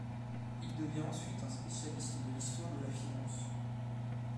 Il devient ensuite un spécialiste de l'histoire de la finance.